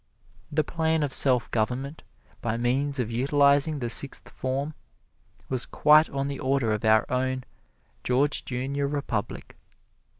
The plan of self government by means of utilizing the Sixth Form was quite on the order of our own "George Junior Republic."